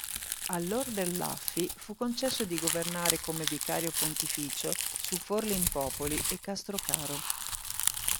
All'Ordelaffi fu concesso di governare come vicario pontificio su Forlimpopoli e Castrocaro.